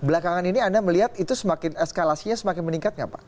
belakangan ini anda melihat itu semakin eskalasinya semakin meningkat nggak pak